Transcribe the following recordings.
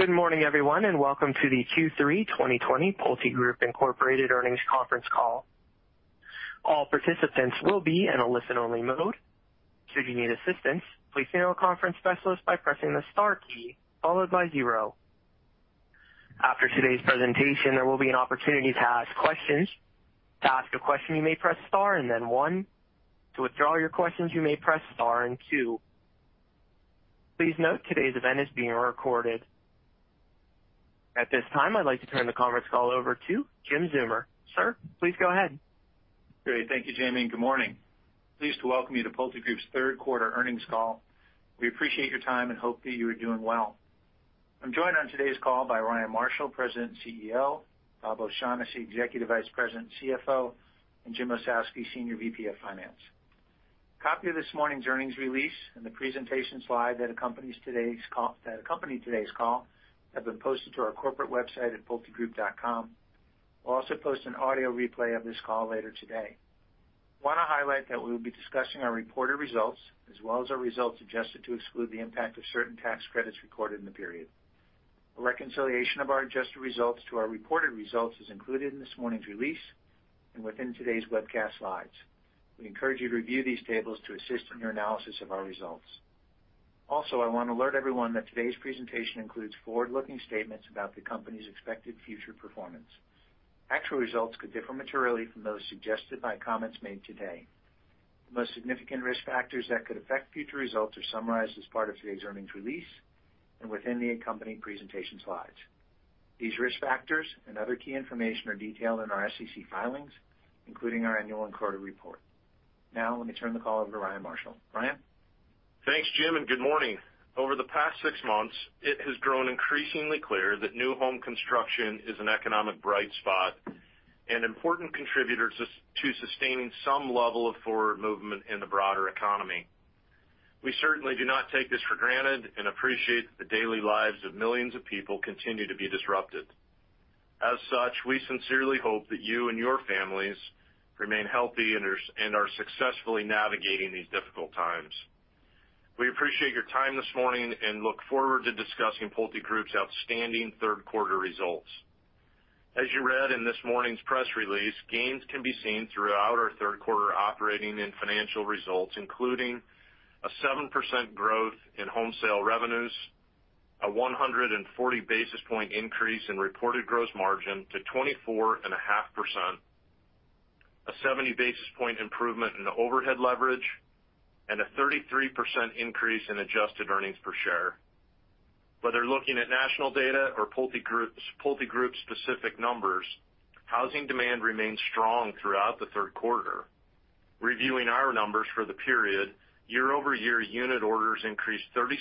Good morning, everyone, and welcome to the Q3 2020 PulteGroup, Inc earnings conference call. All participants will be in a listen-only mode. Should you need assistance, please hail a conference specialist by pressing the star key followed by zero. After today's presentation, there will be an opportunity to ask questions. To ask a question you may press star then one. To withdraw your question you may press star and two. Please note, today's event is being recorded. At this time, I'd like to turn the conference call over to Jim Zeumer. Sir, please go ahead. Great. Thank you, Jamie, and good morning. Pleased to welcome you to PulteGroup's third quarter earnings call. We appreciate your time and hope that you are doing well. I'm joined on today's call by Ryan Marshall, President and CEO, Bob O'Shaughnessy, Executive Vice President and CFO, and Jim Ossowski, Senior VP of Finance. A copy of this morning's earnings release and the presentation slide that accompanied today's call have been posted to our corporate website at pultegroup.com. We'll also post an audio replay of this call later today. We want to highlight that we will be discussing our reported results as well as our results adjusted to exclude the impact of certain tax credits recorded in the period. A reconciliation of our adjusted results to our reported results is included in this morning's release and within today's webcast slides. We encourage you to review these tables to assist in your analysis of our results. Also, I want to alert everyone that today's presentation includes forward-looking statements about the company's expected future performance. Actual results could differ materially from those suggested by comments made today. The most significant risk factors that could affect future results are summarized as part of today's earnings release and within the accompanying presentation slides. These risk factors and other key information are detailed in our SEC filings, including our annual and quarter report. Now, let me turn the call over to Ryan Marshall. Ryan? Thanks, Jim, and good morning. Over the past six months, it has grown increasingly clear that new home construction is an economic bright spot and important contributor to sustaining some level of forward movement in the broader economy. We certainly do not take this for granted and appreciate that the daily lives of millions of people continue to be disrupted. As such, we sincerely hope that you and your families remain healthy and are successfully navigating these difficult times. We appreciate your time this morning and look forward to discussing PulteGroup's outstanding third quarter results. As you read in this morning's press release, gains can be seen throughout our third quarter operating and financial results, including a 7% growth in home sale revenues, a 140-basis-point increase in reported gross margin to 24.5%, a 70-basis-point improvement in overhead leverage, and a 33% increase in adjusted earnings per share. Whether looking at national data or PulteGroup-specific numbers, housing demand remains strong throughout the third quarter. Reviewing our numbers for the period, year-over-year unit orders increased 36%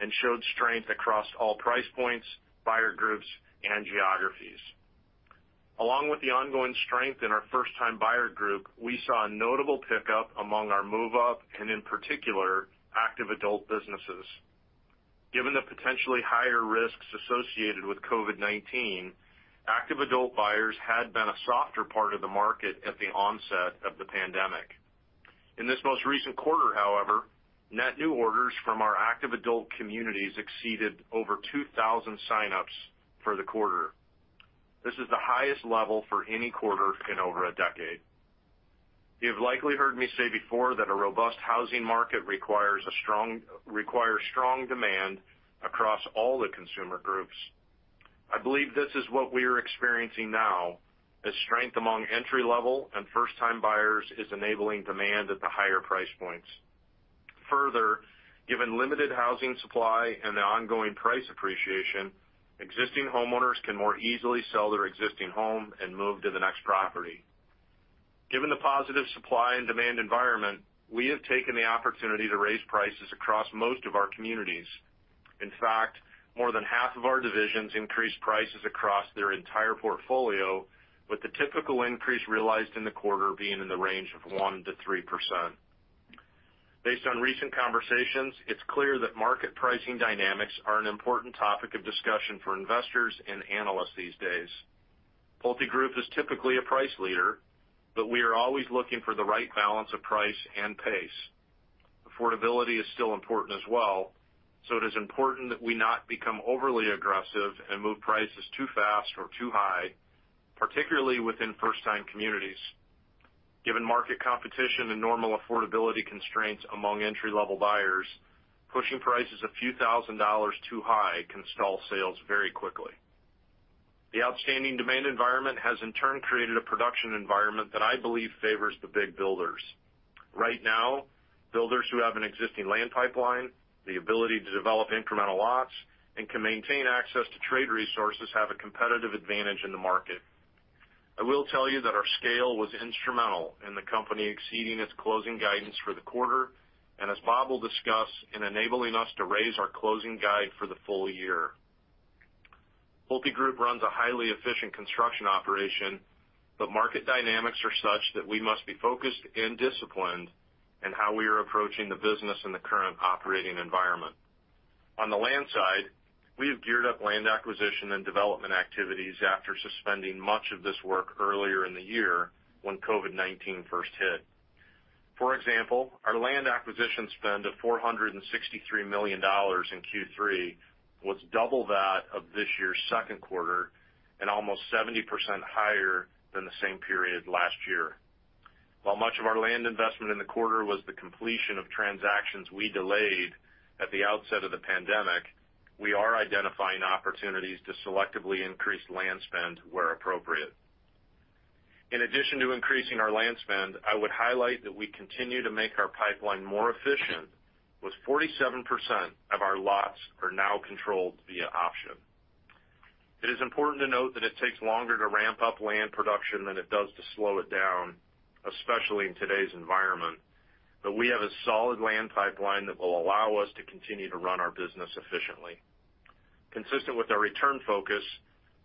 and showed strength across all price points, buyer groups, and geographies. Along with the ongoing strength in our first-time buyer group, we saw a notable pickup among our move-up and, in particular, active adult businesses. Given the potentially higher risks associated with COVID-19, active adult buyers had been a softer part of the market at the onset of the pandemic. In this most recent quarter, however, net new orders from our active adult communities exceeded over 2,000 signups for the quarter. This is the highest level for any quarter in over a decade. You've likely heard me say before that a robust housing market requires strong demand across all the consumer groups. I believe this is what we are experiencing now, as strength among entry-level and first-time buyers is enabling demand at the higher price points. Further, given limited housing supply and the ongoing price appreciation, existing homeowners can more easily sell their existing home and move to the next property. Given the positive supply and demand environment, we have taken the opportunity to raise prices across most of our communities. In fact, more than half of our divisions increased prices across their entire portfolio with the typical increase realized in the quarter being in the range of 1%-3%. Based on recent conversations, it's clear that market pricing dynamics are an important topic of discussion for investors and analysts these days. PulteGroup is typically a price leader, but we are always looking for the right balance of price and pace. Affordability is still important as well, so it is important that we not become overly aggressive and move prices too fast or too high, particularly within first-time communities. Given market competition and normal affordability constraints among entry-level buyers, pushing prices a few thousand dollars too high can stall sales very quickly. The outstanding demand environment has in turn created a production environment that I believe favors the big builders. Right now, builders who have an existing land pipeline, the ability to develop incremental lots, and can maintain access to trade resources have a competitive advantage in the market. I will tell you that our scale was instrumental in the company exceeding its closing guidance for the quarter, and as Bob will discuss, in enabling us to raise our closing guide for the full year. PulteGroup runs a highly efficient construction operation, but market dynamics are such that we must be focused and disciplined in how we are approaching the business in the current operating environment. On the land side, we have geared up land acquisition and development activities after suspending much of this work earlier in the year when COVID-19 first hit. For example, our land acquisition spend of $463 million in Q3 was double that of this year's second quarter and almost 70% higher than the same period last year. While much of our land investment in the quarter was the completion of transactions we delayed at the outset of the pandemic, we are identifying opportunities to selectively increase land spend where appropriate. In addition to increasing our land spend, I would highlight that we continue to make our pipeline more efficient, with 47% of our lots are now controlled via option. It is important to note that it takes longer to ramp up land production than it does to slow it down, especially in today's environment, but we have a solid land pipeline that will allow us to continue to run our business efficiently. Consistent with our return focus,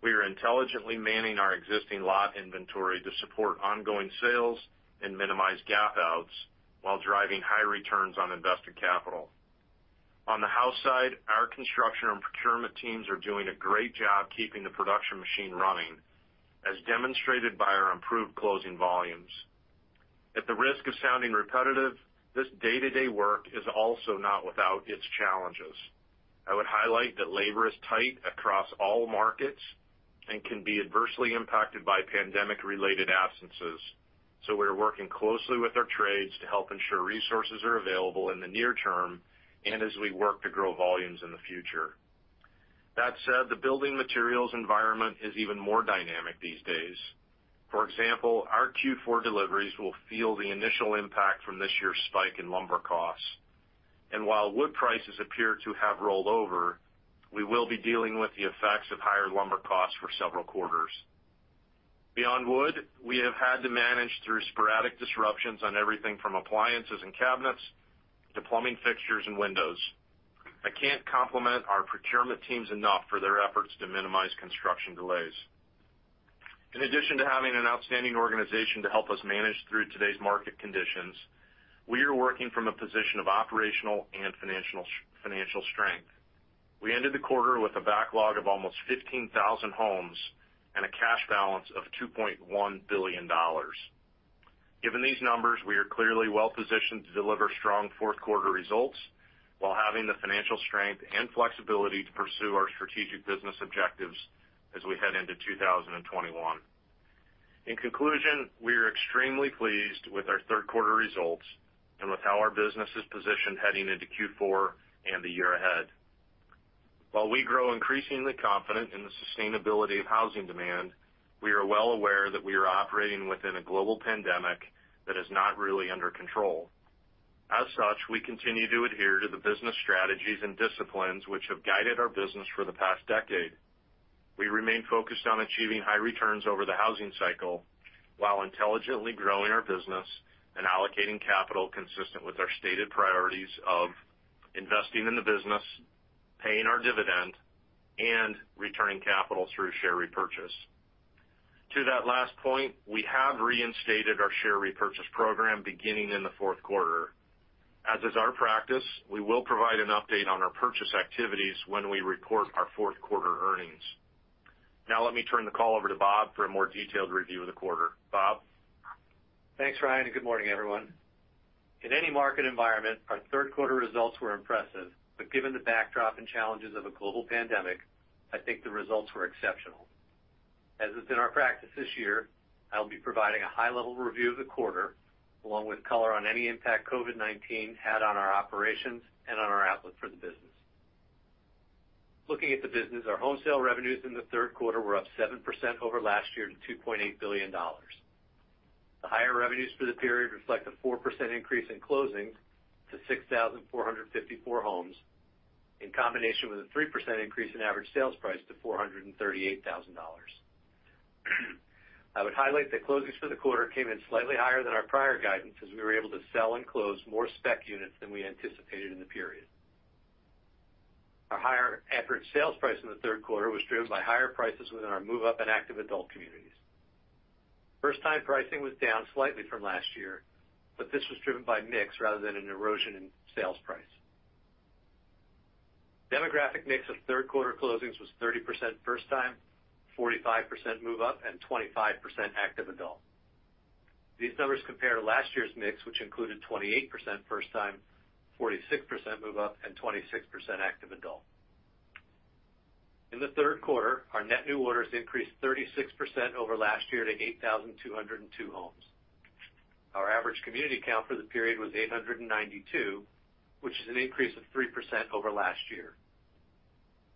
we are intelligently manning our existing lot inventory to support ongoing sales and minimize gap outs while driving high returns on invested capital. On the house side, our construction and procurement teams are doing a great job keeping the production machine running, as demonstrated by our improved closing volumes. At the risk of sounding repetitive, this day-to-day work is also not without its challenges. I would highlight that labor is tight across all markets and can be adversely impacted by pandemic-related absences, so we are working closely with our trades to help ensure resources are available in the near term and as we work to grow volumes in the future. That said, the building materials environment is even more dynamic these days. For example, our Q4 deliveries will feel the initial impact from this year's spike in lumber costs. While wood prices appear to have rolled over, we will be dealing with the effects of higher lumber costs for several quarters. Beyond wood, we have had to manage through sporadic disruptions on everything from appliances and cabinets to plumbing fixtures and windows. I can't compliment our procurement teams enough for their efforts to minimize construction delays. In addition to having an outstanding organization to help us manage through today's market conditions, we are working from a position of operational and financial strength. We ended the quarter with a backlog of almost 15,000 homes and a cash balance of $2.1 billion. Given these numbers, we are clearly well-positioned to deliver strong fourth quarter results while having the financial strength and flexibility to pursue our strategic business objectives as we head into 2021. In conclusion, we are extremely pleased with our third quarter results and with how our business is positioned heading into Q4 and the year ahead. While we grow increasingly confident in the sustainability of housing demand, we are well aware that we are operating within a global pandemic that is not really under control. As such, we continue to adhere to the business strategies and disciplines which have guided our business for the past decade. We remain focused on achieving high returns over the housing cycle while intelligently growing our business and allocating capital consistent with our stated priorities of investing in the business, paying our dividend, and returning capital through share repurchase. To that last point, we have reinstated our share repurchase program beginning in the fourth quarter. As is our practice, we will provide an update on our purchase activities when we report our fourth quarter earnings. Now let me turn the call over to Bob for a more detailed review of the quarter. Bob? Thanks, Ryan, and good morning, everyone. In any market environment, our third quarter results were impressive, but given the backdrop and challenges of a global pandemic, I think the results were exceptional. As has been our practice this year, I'll be providing a high-level review of the quarter, along with color on any impact COVID-19 had on our operations and on our outlook for the business. Looking at the business, our home sale revenues in the third quarter were up 7% over last year to $2.8 billion. The higher revenues for the period reflect a 4% increase in closings to 6,454 homes, in combination with a 3% increase in average sales price to $438,000. I would highlight that closings for the quarter came in slightly higher than our prior guidance, as we were able to sell and close more spec units than we anticipated in the period. Our higher average sales price in the third quarter was driven by higher prices within our move-up and active adult communities. First-time pricing was down slightly from last year, but this was driven by mix rather than an erosion in sales price. Demographic mix of third quarter closings was 30% first time, 45% move up, and 25% active adult. These numbers compare to last year's mix, which included 28% first time, 46% move up, and 26% active adult. In the third quarter, our net new orders increased 36% over last year to 8,202 homes. Our average community count for the period was 892, which is an increase of 3% over last year.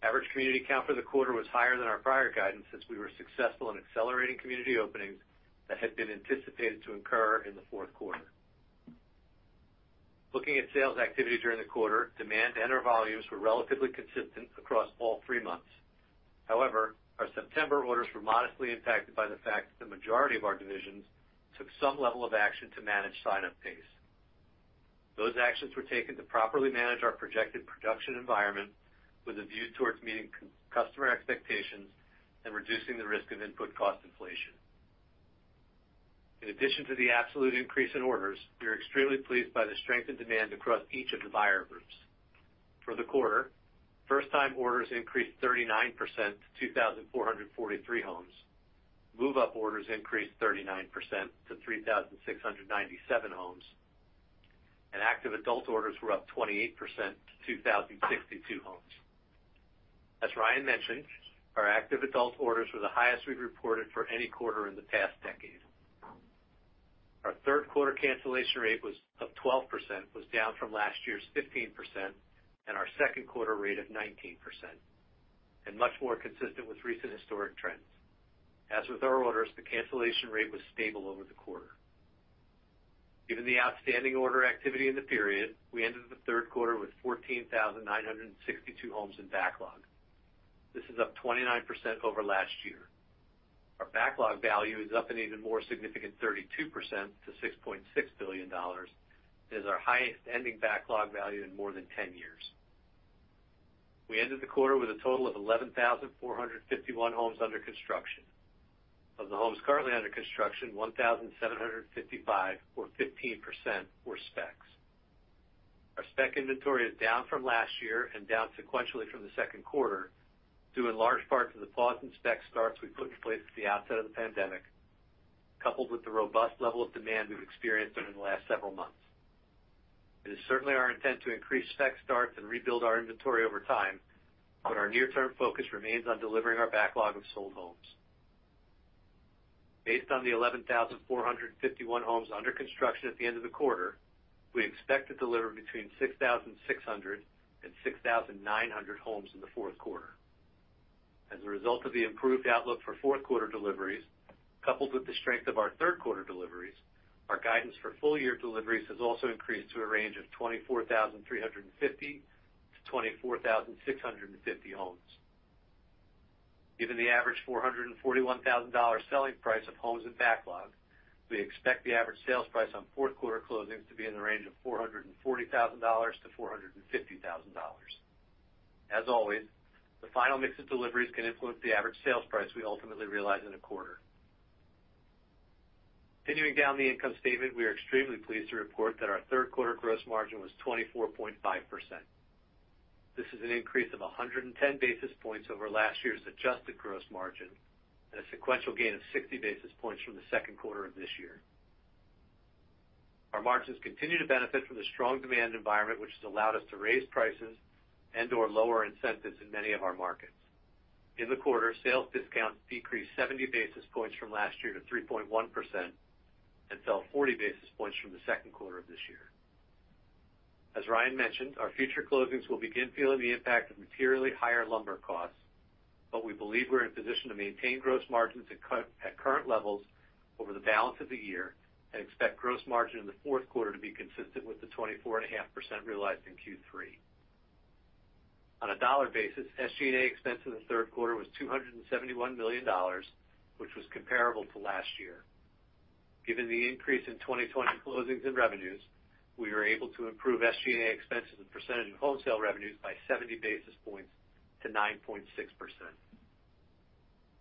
Average community count for the quarter was higher than our prior guidance, since we were successful in accelerating community openings that had been anticipated to incur in the fourth quarter. Looking at sales activity during the quarter, demand and our volumes were relatively consistent across all three months. However, our September orders were modestly impacted by the fact that the majority of our divisions took some level of action to manage signup pace. Those actions were taken to properly manage our projected production environment with a view towards meeting customer expectations and reducing the risk of input cost inflation. In addition to the absolute increase in orders, we are extremely pleased by the strength in demand across each of the buyer groups. For the quarter, first-time orders increased 39% to 2,443 homes. Move-up orders increased 39% to 3,697 homes, and active adult orders were up 28% to 2,062 homes. As Ryan mentioned, our active adult orders were the highest we've reported for any quarter in the past decade. Our third quarter cancellation rate of 12% was down from last year's 15%, and our second quarter rate of 19%, and much more consistent with recent historic trends. As with our orders, the cancellation rate was stable over the quarter. Given the outstanding order activity in the period, we ended the third quarter with 14,962 homes in backlog. This is up 29% over last year. Our backlog value is up an even more significant 32% to $6.6 billion. It is our highest ending backlog value in more than 10 years. We ended the quarter with a total of 11,451 homes under construction. Of the homes currently under construction, 1,755 or 15% were specs. Our spec inventory is down from last year and down sequentially from the second quarter due in large part to the pause in spec starts we put in place at the outset of the pandemic, coupled with the robust level of demand we've experienced during the last several months. It is certainly our intent to increase spec starts and rebuild our inventory over time, but our near-term focus remains on delivering our backlog of sold homes. Based on the 11,451 homes under construction at the end of the quarter, we expect to deliver between 6,600 and 6,900 homes in the fourth quarter. As a result of the improved outlook for fourth quarter deliveries, coupled with the strength of our third quarter deliveries, our guidance for full-year deliveries has also increased to a range of 24,350-24,650 homes. Given the average $441,000 selling price of homes in backlog, we expect the average sales price on fourth quarter closings to be in the range of $440,000-$450,000. As always, the final mix of deliveries can influence the average sales price we ultimately realize in a quarter. Continuing down the income statement, we are extremely pleased to report that our third quarter gross margin was 24.5%. This is an increase of 110 basis points over last year's adjusted gross margin, and a sequential gain of 60 basis points from the second quarter of this year. Our margins continue to benefit from the strong demand environment, which has allowed us to raise prices and/or lower incentives in many of our markets. In the quarter, sales discounts decreased 70 basis points from last year to 3.1%, and fell 40 basis points from the second quarter of this year. As Ryan mentioned, our future closings will begin feeling the impact of materially higher lumber costs, but we believe we're in a position to maintain gross margins at current levels over the balance of the year, and expect gross margin in the fourth quarter to be consistent with the 24.5% realized in Q3. On a dollar basis, SG&A expense in the third quarter was $271 million, which was comparable to last year. Given the increase in 2020 closings and revenues, we were able to improve SG&A expenses and percentage of home sale revenues by 70 basis points to 9.6%.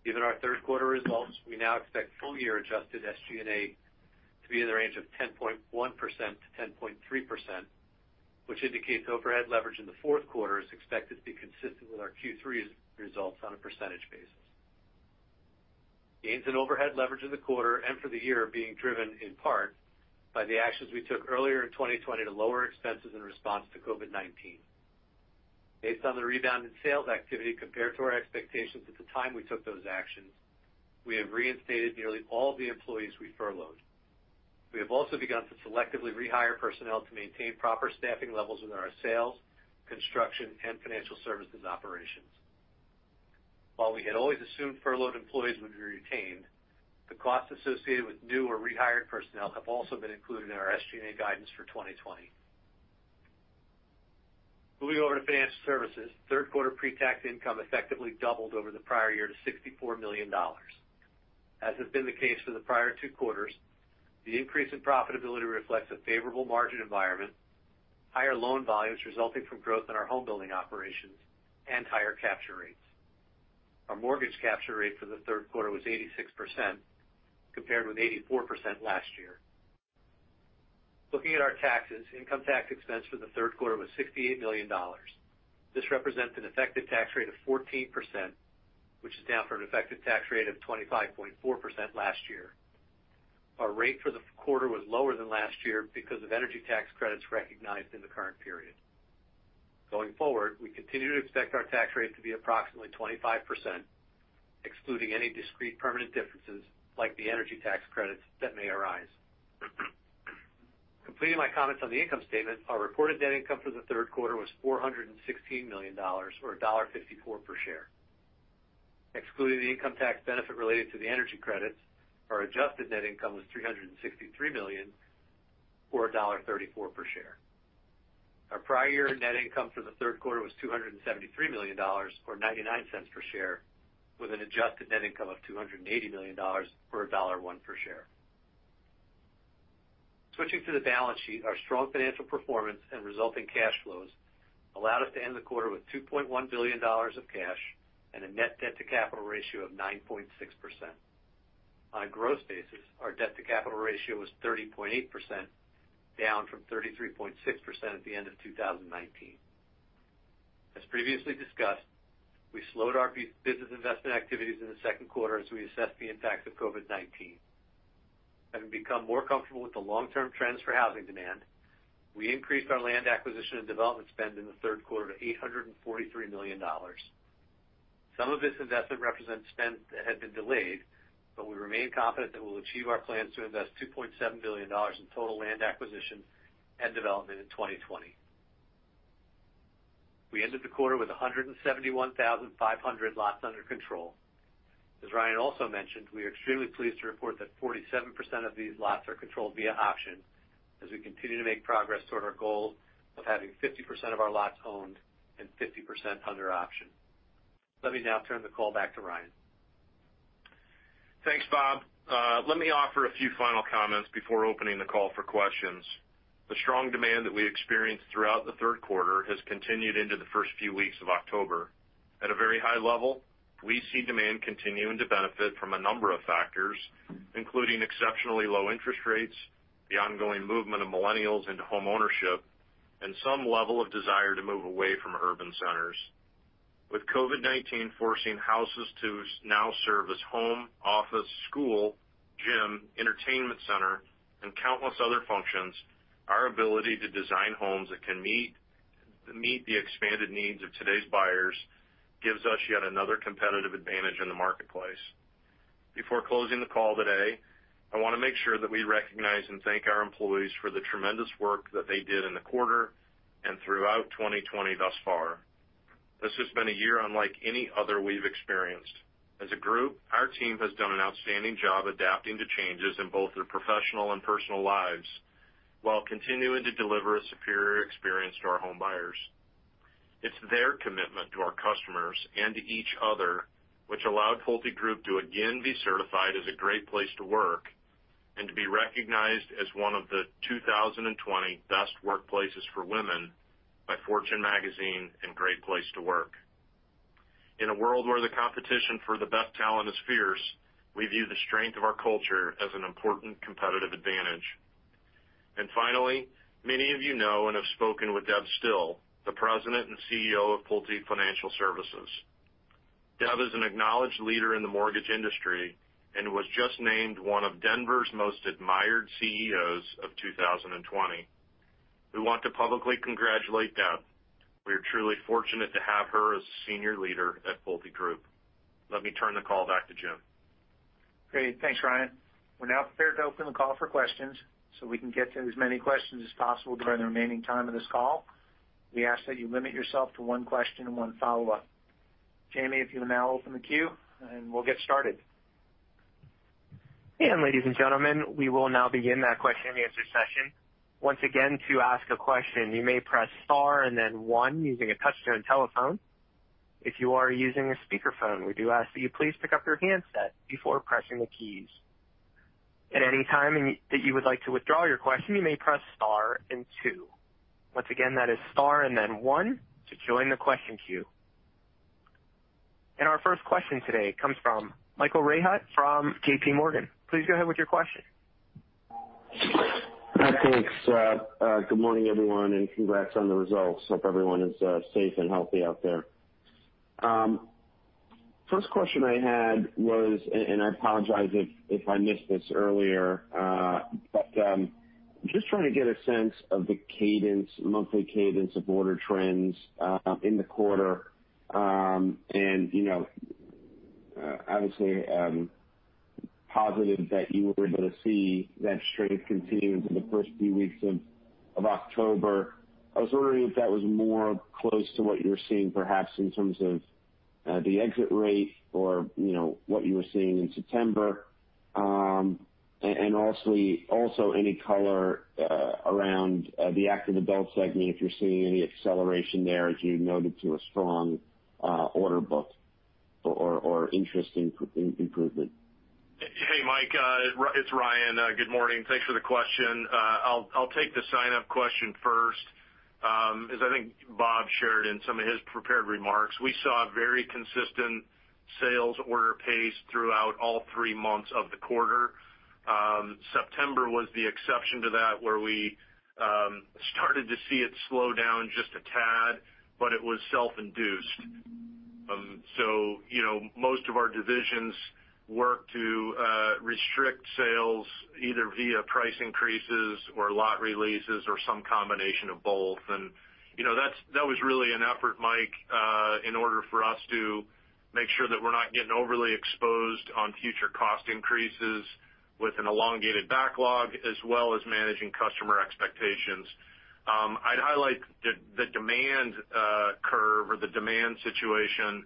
Given our third quarter results, we now expect full-year adjusted SG&A to be in the range of 10.1%-10.3%, which indicates overhead leverage in the fourth quarter is expected to be consistent with our Q3 results on a percentage basis. Gains in overhead leverage in the quarter and for the year are being driven in part by the actions we took earlier in 2020 to lower expenses in response to COVID-19. Based on the rebound in sales activity compared to our expectations at the time we took those actions, we have reinstated nearly all the employees we furloughed. We have also begun to selectively rehire personnel to maintain proper staffing levels within our sales, construction, and financial services operations. While we had always assumed furloughed employees would be retained, the costs associated with new or rehired personnel have also been included in our SG&A guidance for 2020. Moving over to financial services, third quarter pre-tax income effectively doubled over the prior year to $64 million. As has been the case for the prior two quarters, the increase in profitability reflects a favorable margin environment, higher loan volumes resulting from growth in our home building operations, and higher capture rates. Our mortgage capture rate for the third quarter was 86%, compared with 84% last year. Looking at our taxes, income tax expense for the third quarter was $68 million. This represents an effective tax rate of 14%, which is down from an effective tax rate of 25.4% last year. Our rate for the quarter was lower than last year because of energy tax credits recognized in the current period. Going forward, we continue to expect our tax rate to be approximately 25%, excluding any discrete permanent differences like the energy tax credits that may arise. Completing my comments on the income statement, our reported net income for the third quarter was $416 million, or $1.54 per share. Excluding the income tax benefit related to the energy credits, our adjusted net income was $363 million, or $1.34 per share. Our prior-year net income for the third quarter was $273 million, or $0.99 per share, with an adjusted net income of $280 million, or $1.01 per share. Switching to the balance sheet, our strong financial performance and resulting cash flows allowed us to end the quarter with $2.1 billion of cash and a net debt-to-capital ratio of 9.6%. On a gross basis, our debt-to-capital ratio was 30.8%, down from 33.6% at the end of 2019. As previously discussed, we slowed our business investment activities in the second quarter as we assessed the impacts of COVID-19. Having become more comfortable with the long-term trends for housing demand, we increased our land acquisition and development spend in the third quarter to $843 million. Some of this investment represents spend that had been delayed, we remain confident that we'll achieve our plans to invest $2.7 billion in total land acquisition and development in 2020. We ended the quarter with 171,500 lots under control. As Ryan also mentioned, we are extremely pleased to report that 47% of these lots are controlled via option as we continue to make progress toward our goal of having 50% of our lots owned and 50% under option. Let me now turn the call back to Ryan. Thanks, Bob. Let me offer a few final comments before opening the call for questions. The strong demand that we experienced throughout the third quarter has continued into the first few weeks of October. At a very high level, we see demand continuing to benefit from a number of factors, including exceptionally low interest rates, the ongoing movement of millennials into home ownership, some level of desire to move away from urban centers. With COVID-19 forcing houses to now serve as home, office, school, gym, entertainment center, and countless other functions, our ability to design homes that can meet the expanded needs of today's buyers gives us yet another competitive advantage in the marketplace. Before closing the call today, I want to make sure that we recognize and thank our employees for the tremendous work that they did in the quarter and throughout 2020 thus far. This has been a year unlike any other we've experienced. As a group, our team has done an outstanding job adapting to changes in both their professional and personal lives while continuing to deliver a superior experience to our home buyers. It's their commitment to our customers and to each other which allowed PulteGroup to again be certified as a Great Place to Work and to be recognized as one of the 2020 Best Workplaces for Women by Fortune Magazine and Great Place to Work. In a world where the competition for the best talent is fierce, we view the strength of our culture as an important competitive advantage. Finally, many of you know and have spoken with Deb Still, the President and CEO of Pulte Financial Services. Deb is an acknowledged leader in the mortgage industry and was just named one of Denver's Most Admired CEOs of 2020. We want to publicly congratulate Deb. We are truly fortunate to have her as a senior leader at PulteGroup. Let me turn the call back to Jim. Great, thanks, Ryan. We're now prepared to open the call for questions so we can get to as many questions as possible during the remaining time of this call. We ask that you limit yourself to one question and one follow-up. Jamie, if you'll now open the queue, and we'll get started. Ladies and gentlemen, we will now begin our question and answer session. Once again, to ask a question you may press star and the one using your touch-tone telephone. If you are using a speakerphone, we do ask that you please pick up your handset before pressing the keys. At any time that you would like to withdraw your question, you may press star and two. Once again, that is star and then one to join the question queue. Our first question today comes from Michael Rehaut from JPMorgan. Please go ahead with your question. Thanks. Good morning, everyone, and congrats on the results. Hope everyone is safe and healthy out there. First question I had was, and I apologize if I missed this earlier, but just trying to get a sense of the monthly cadence of order trends in the quarter. Obviously positive that you were able to see that strength continue into the first few weeks of October. I was wondering if that was more close to what you're seeing perhaps in terms of the exit rate or what you were seeing in September. Also any color around the active adult segment, if you're seeing any acceleration there as you noted to a strong order book or interest in improvement. Hey, Mike, it's Ryan. Good morning. Thanks for the question. I'll take the signup question first. As I think Bob shared in some of his prepared remarks, we saw a very consistent sales order pace throughout all three months of the quarter. September was the exception to that, where we started to see it slow down just a tad, but it was self-induced. Most of our divisions worked to restrict sales, either via price increases or lot releases or some combination of both. That was really an effort, Mike, in order for us to make sure that we're not getting overly exposed on future cost increases with an elongated backlog as well as managing customer expectations. I'd highlight the demand curve or the demand situation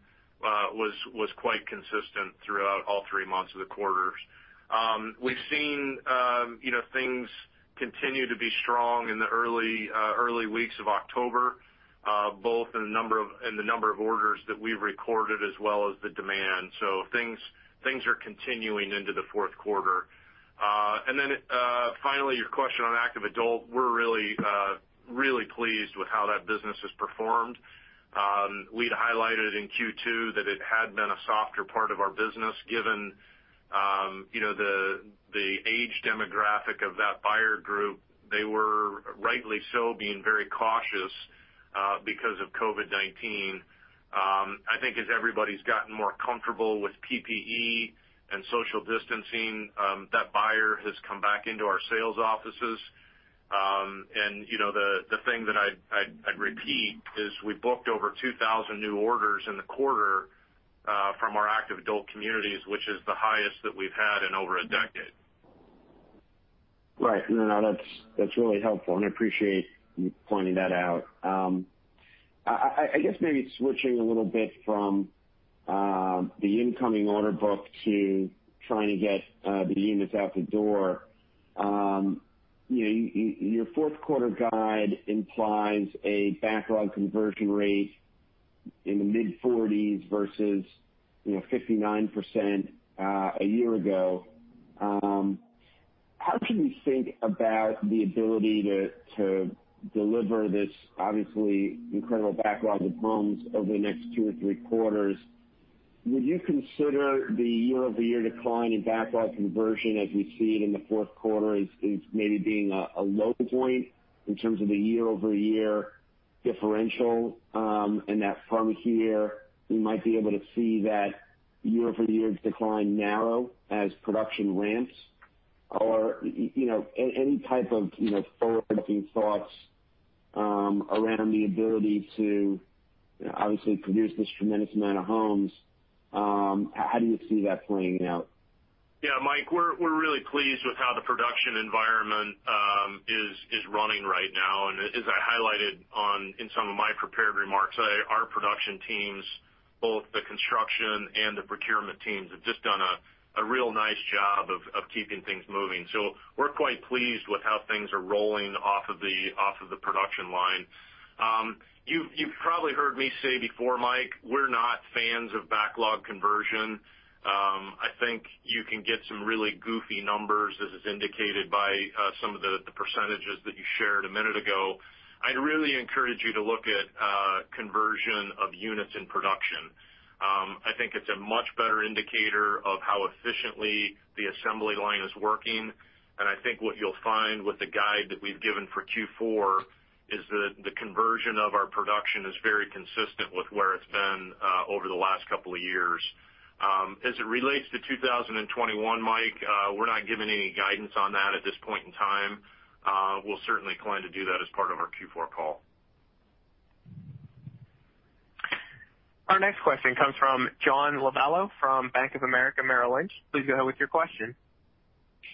was quite consistent throughout all three months of the quarter. We've seen things continue to be strong in the early weeks of October, both in the number of orders that we've recorded as well as the demand. Things are continuing into the fourth quarter. Finally, your question on active adult. We're really pleased with how that business has performed. We'd highlighted in Q2 that it had been a softer part of our business given the age demographic of that buyer group. They were, rightly so, being very cautious because of COVID-19. I think as everybody's gotten more comfortable with PPE and social distancing, that buyer has come back into our sales offices. The thing that I'd repeat is we booked over 2,000 new orders in the quarter from our active adult communities, which is the highest that we've had in over a decade. Right. No, that's really helpful, and I appreciate you pointing that out. I guess maybe switching a little bit from the incoming order book to trying to get the units out the door. Your fourth quarter guide implies a backlog conversion rate in the mid-40s versus 59% a year ago. How should we think about the ability to deliver this obviously incredible backlog of homes over the next two or three quarters? Would you consider the year-over-year decline in backlog conversion as we see it in the fourth quarter as maybe being a low point in terms of the year-over-year differential, and that from here, we might be able to see that year-over-year decline narrow as production ramps? Any type of forward-looking thoughts around the ability to obviously produce this tremendous amount of homes. How do you see that playing out? Yeah, Mike, we're really pleased with how the production environment is running right now. As I highlighted in some of my prepared remarks today, our production teams, both the construction and the procurement teams, have just done a real nice job of keeping things moving. We're quite pleased with how things are rolling off of the production line. You've probably heard me say before, Mike, we're not fans of backlog conversion. I think you can get some really goofy numbers, as is indicated by some of the percentages that you shared a minute ago. I'd really encourage you to look at conversion of units in production. I think it's a much better indicator of how efficiently the assembly line is working, and I think what you'll find with the guide that we've given for Q4 is that the conversion of our production is very consistent with where it's been over the last couple of years. As it relates to 2021, Mike, we're not giving any guidance on that at this point in time. We'll certainly plan to do that as part of our Q4 call. Our next question comes from John Lovallo from Bank of America Merrill Lynch. Please go ahead with your question.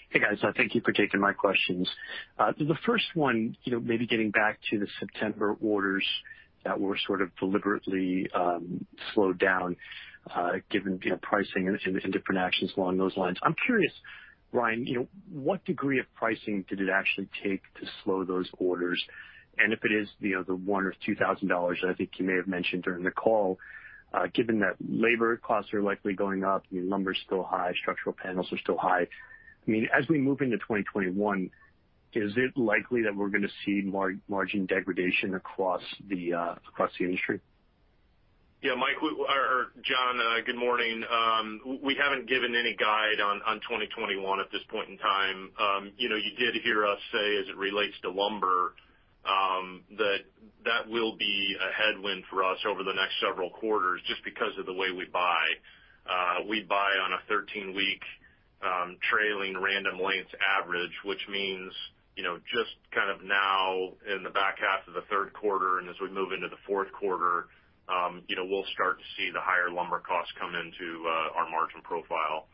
Hey, guys. Thank you for taking my questions. The first one, maybe getting back to the September orders that were sort of deliberately slowed down given pricing and different actions along those lines. I'm curious, Ryan, what degree of pricing did it actually take to slow those orders? If it is the $1,000 or $2,000 that I think you may have mentioned during the call, given that labor costs are likely going up, lumber is still high, structural panels are still high. As we move into 2021, is it likely that we're going to see margin degradation across the industry? Yeah, John, good morning. We haven't given any guide on 2021 at this point in time. You did hear us say, as it relates to lumber, that that will be a headwind for us over the next several quarters just because of the way we buy. We buy on a 13-week trailing Random Lengths average, which means just kind of now in the back half of the third quarter, and as we move into the fourth quarter, we'll start to see the higher lumber costs come into our margin profile.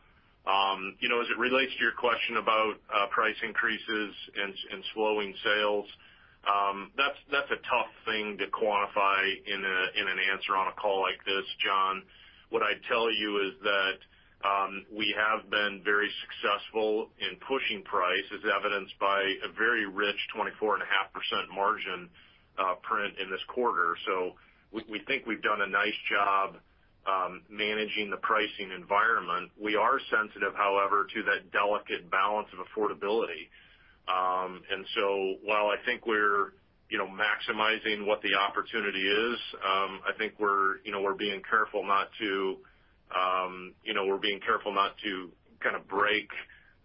As it relates to your question about price increases and slowing sales, that's a tough thing to quantify in an answer on a call like this, John. What I'd tell you is that we have been very successful in pushing price, as evidenced by a very rich 24.5% margin print in this quarter. We think we've done a nice job managing the pricing environment. We are sensitive, however, to that delicate balance of affordability. While I think we're maximizing what the opportunity is, I think we're being careful not to kind of break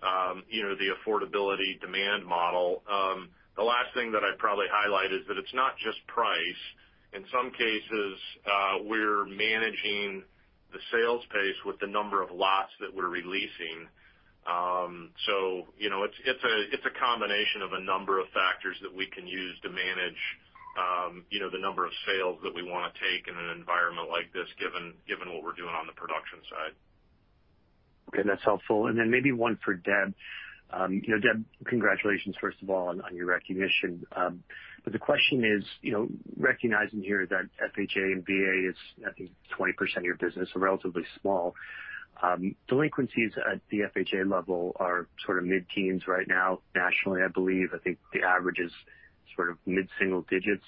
the affordability demand model. The last thing that I'd probably highlight is that it's not just price. In some cases, we're managing the sales pace with the number of lots that we're releasing. It's a combination of a number of factors that we can use to manage the number of sales that we want to take in an environment like this, given what we're doing on the production side. Okay. That's helpful. Then maybe one for Deb. Deb, congratulations, first of all, on your recognition. The question is, recognizing here that FHA and VA is, I think, 20% of your business, so relatively small. Delinquencies at the FHA level are sort of mid-teens right now nationally, I believe. I think the average is sort of mid-single digits.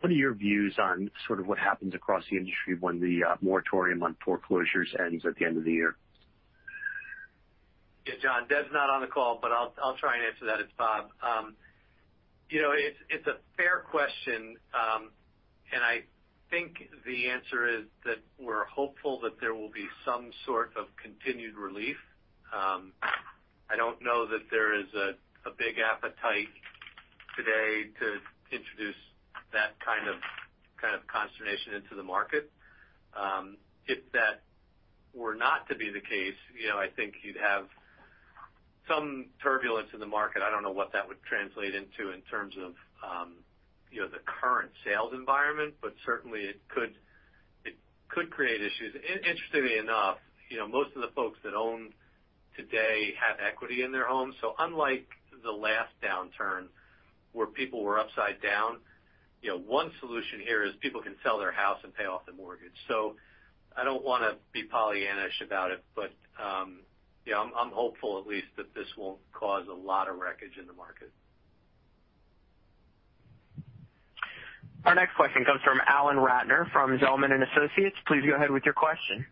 What are your views on sort of what happens across the industry when the moratorium on foreclosures ends at the end of the year? Yeah, John, Deb's not on the call. I'll try and answer that. It's Bob. It's a fair question. I think the answer is that we're hopeful that there will be some sort of continued relief. I don't know that there is a big appetite today to introduce that kind of consternation into the market. If that were not to be the case, I think you'd have some turbulence in the market. I don't know what that would translate into in terms of the current sales environment. Certainly it could create issues. Interestingly enough, most of the folks that own today have equity in their homes. Unlike the last downturn where people were upside down, one solution here is people can sell their house and pay off the mortgage. I don't want to be pollyannaish about it, but I'm hopeful at least that this won't cause a lot of wreckage in the market. Our next question comes from Alan Ratner from Zelman & Associates. Please go ahead with your question.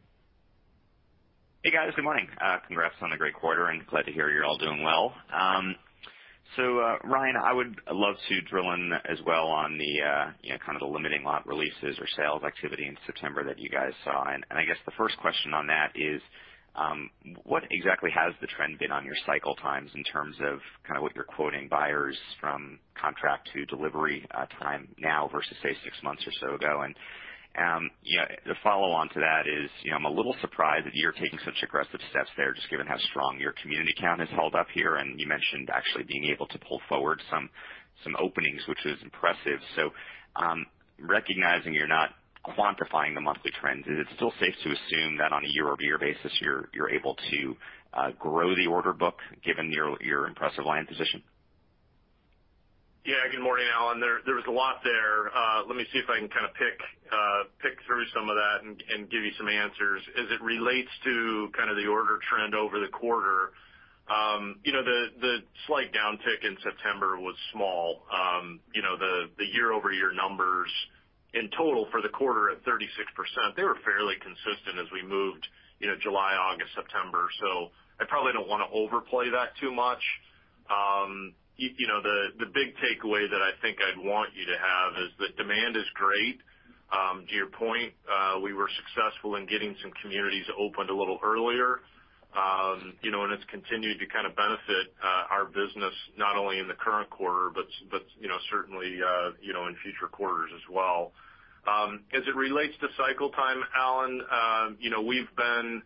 Hey, guys. Good morning. Congrats on the great quarter, and glad to hear you're all doing well. Ryan, I would love to drill in as well on the kind of the limiting lot releases or sales activity in September that you guys saw. I guess the first question on that is, what exactly has the trend been on your cycle times in terms of kind of what you're quoting buyers from contract to delivery time now versus, say, six months or so ago? The follow-on to that is, I'm a little surprised that you're taking such aggressive steps there, just given how strong your community count has held up here. You mentioned actually being able to pull forward some openings, which is impressive. Recognizing you're not quantifying the monthly trends, is it still safe to assume that on a year-over-year basis, you're able to grow the order book, given your impressive land position? Yeah. Good morning, Alan. There was a lot there. Let me see if I can kind of pick through some of that and give you some answers. As it relates to kind of the order trend over the quarter, the slight downtick in September was small. The year-over-year numbers in total for the quarter at 36%, they were fairly consistent as we moved July, August, September. I probably don't want to overplay that too much. The big takeaway that I think I'd want you to have is that demand is great. To your point, we were successful in getting some communities opened a little earlier. It's continued to kind of benefit our business, not only in the current quarter, but certainly in future quarters as well. As it relates to cycle time, Alan, we've been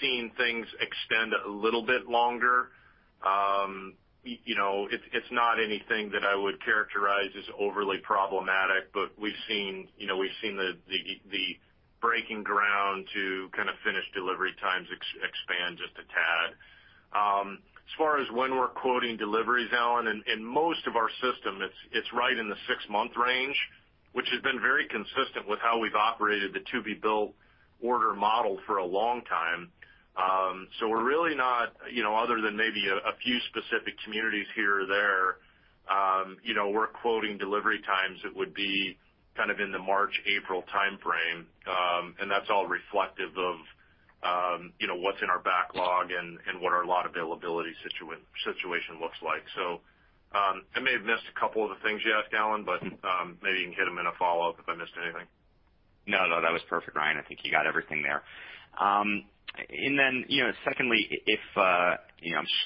seeing things extend a little bit longer. It's not anything that I would characterize as overly problematic, but we've seen the breaking ground to kind of finish delivery times expand just a tad. As far as when we're quoting deliveries, Alan, in most of our system, it's right in the six-month range, which has been very consistent with how we've operated the to-be-built order model for a long time. We're really not, other than maybe a few specific communities here or there, we're quoting delivery times that would be kind of in the March-April timeframe. That's all reflective of what's in our backlog and what our lot availability situation looks like. I may have missed a couple of the things you asked, Alan, but maybe you can hit them in a follow-up if I missed anything. No, that was perfect, Ryan. I think you got everything there. Then, secondly,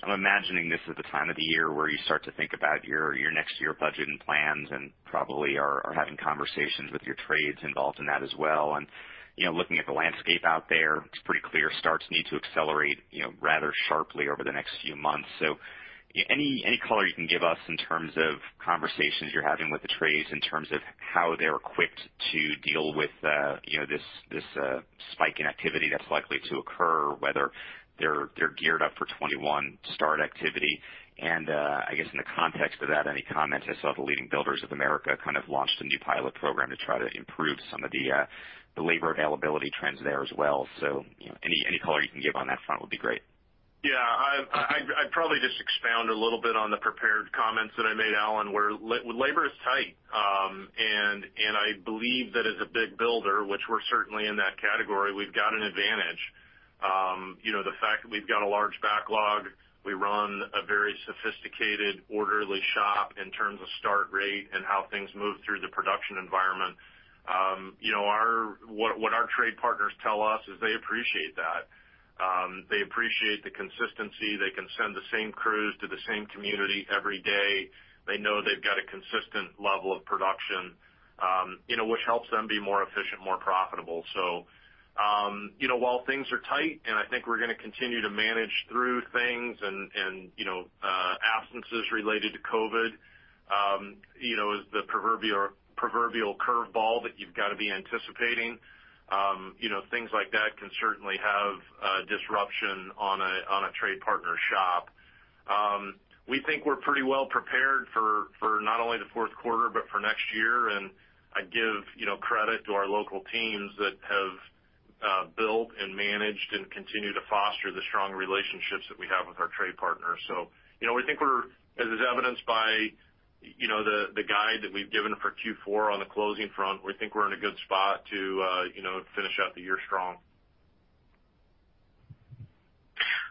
I'm imagining this is the time of the year where you start to think about your next year budget and plans and probably are having conversations with your trades involved in that as well. Looking at the landscape out there, it's pretty clear starts need to accelerate rather sharply over the next few months. Any color you can give us in terms of conversations you're having with the trades in terms of how they're equipped to deal with this spike in activity that's likely to occur, whether they're geared up for 2021 start activity. I guess in the context of that, any comments. I saw the Leading Builders of America kind of launched a new pilot program to try to improve some of the labor availability trends there as well. Any color you can give on that front would be great. Yeah. I'd probably just expound a little bit on the prepared comments that I made, Alan, where labor is tight. I believe that as a big builder, which we're certainly in that category, we've got an advantage. The fact that we've got a large backlog, we run a very sophisticated, orderly shop in terms of start rate and how things move through the production environment. What our trade partners tell us is they appreciate that. They appreciate the consistency. They can send the same crews to the same community every day. They know they've got a consistent level of production, which helps them be more efficient, more profitable. While things are tight, and I think we're going to continue to manage through things and absences related to COVID-19, as the proverbial curveball that you've got to be anticipating. Things like that can certainly have a disruption on a trade partner shop. We think we're pretty well prepared for not only the fourth quarter, but for next year, and I give credit to our local teams that have built and managed and continue to foster the strong relationships that we have with our trade partners. We think as is evidenced by the guide that we've given for Q4 on the closing front, we think we're in a good spot to finish out the year strong.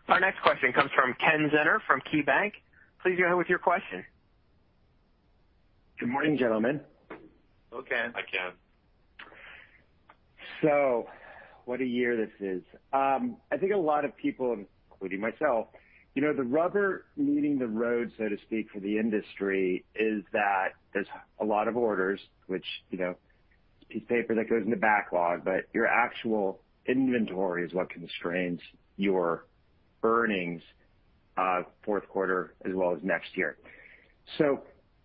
Our next question comes from Ken Zener from KeyBanc. Please go ahead with your question. Good morning, gentlemen. Hello, Ken. Hi, Ken. What a year this is. I think a lot of people, including myself, the rubber meeting the road, so to speak, for the industry is that there's a lot of orders, which is a piece of paper that goes in the backlog, but your actual inventory is what constrains your earnings fourth quarter as well as next year.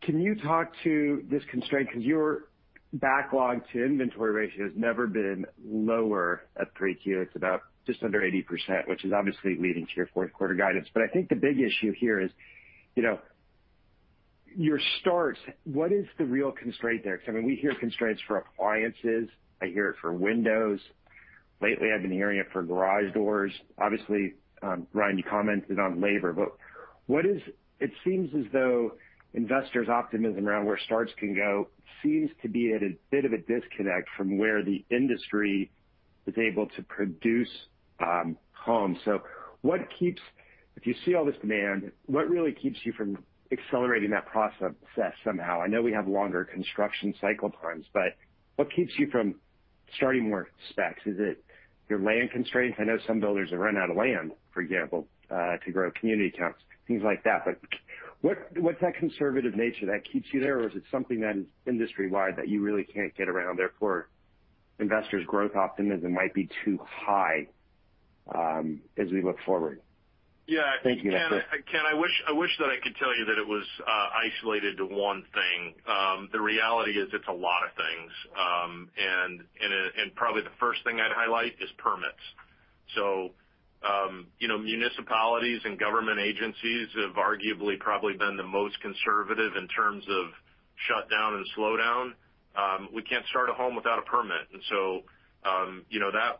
Can you talk to this constraint? Because your backlog-to-inventory ratio has never been lower at 3Q. It's about just under 80%, which is obviously leading to your fourth quarter guidance. I think the big issue here is your starts. What is the real constraint there? We hear constraints for appliances, I hear it for windows. Lately, I've been hearing it for garage doors. Obviously, Ryan, you commented on labor, but it seems as though investors' optimism around where starts can go seems to be at a bit of a disconnect from where the industry is able to produce homes. If you see all this demand, what really keeps you from accelerating that process somehow? I know we have longer construction cycle times, but what keeps you from starting more specs? Is it your land constraints? I know some builders have run out of land, for example, to grow community counts, things like that. What's that conservative nature that keeps you there? Is it something that is industry-wide that you really can't get around, therefore, investors' growth optimism might be too high as we look forward? Yeah. Thank you. Ken, I wish that I could tell you that it was isolated to one thing. The reality is it's a lot of things. Probably the first thing I'd highlight is permits. Municipalities and government agencies have arguably probably been the most conservative in terms of shutdown and slowdown. We can't start a home without a permit,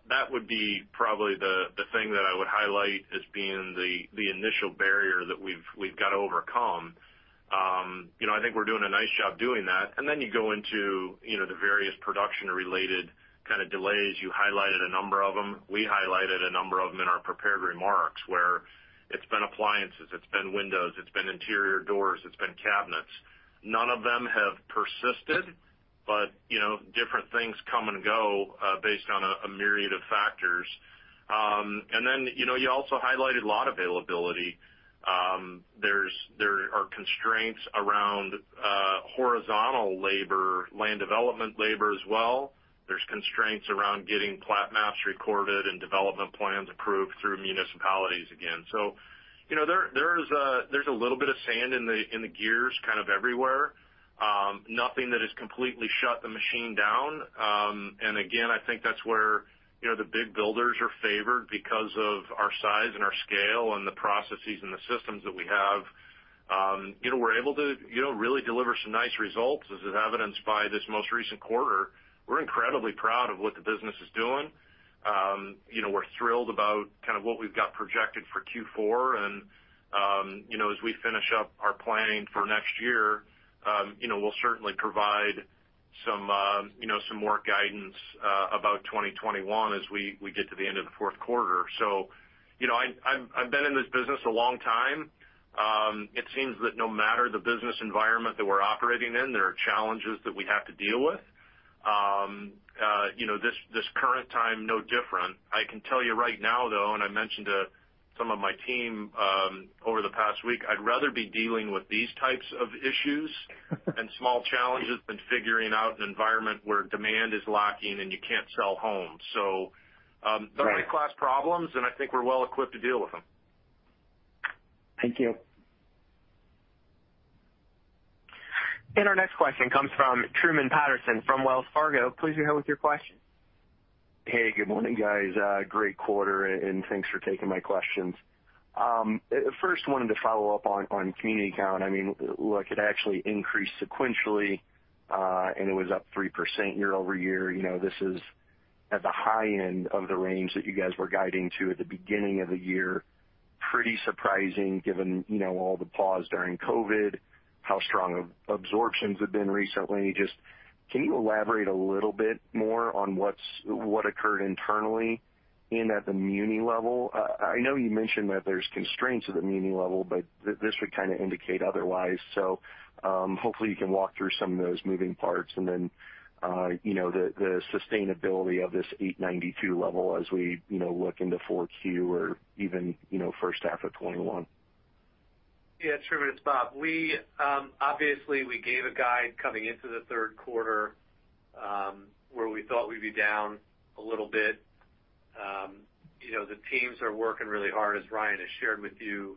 that would be probably the thing that I would highlight as being the initial barrier that we've got to overcome. I think we're doing a nice job doing that. Then you go into the various production-related kind of delays. You highlighted a number of them. We highlighted a number of them in our prepared remarks, where it's been appliances, it's been windows, it's been interior doors, it's been cabinets. None of them have persisted, but different things come and go based on a myriad of factors. Then you also highlighted lot availability. There are constraints around horizontal labor, land development labor as well. There's constraints around getting plat maps recorded and development plans approved through municipalities again. There's a little bit of sand in the gears everywhere. Nothing that has completely shut the machine down. Again, I think that's where the big builders are favored because of our size and our scale and the processes and the systems that we have. We're able to really deliver some nice results, as is evidenced by this most recent quarter. We're incredibly proud of what the business is doing. We're thrilled about kind of what we've got projected for Q4. As we finish up our planning for next year, we'll certainly provide some more guidance about 2021 as we get to the end of the fourth quarter. I've been in this business a long time. It seems that no matter the business environment that we're operating in, there are challenges that we have to deal with. This current time, no different. I can tell you right now, though, and I mentioned to some of my team over the past week, I'd rather be dealing with these types of issues and small challenges than figuring out an environment where demand is lacking and you can't sell homes. Right. They're first-class problems, and I think we're well-equipped to deal with them. Thank you. Our next question comes from Truman Patterson from Wells Fargo. Please go ahead with your question. Hey, good morning, guys. Great quarter, thanks for taking my questions. First, wanted to follow up on community count. Look, it actually increased sequentially, and it was up 3% year-over-year. This is at the high end of the range that you guys were guiding to at the beginning of the year. Pretty surprising given all the pause during COVID-19, how strong absorptions have been recently. Just can you elaborate a little bit more on what occurred internally and at the muni level? I know you mentioned that there's constraints at the muni level, this would kind of indicate otherwise. Hopefully, you can walk through some of those moving parts and then the sustainability of this 892 level as we look into 4Q or even first half of 2021. Yeah, Truman, it's Bob. Obviously, we gave a guide coming into the third quarter, where we thought we'd be down a little bit. The teams are working really hard, as Ryan has shared with you.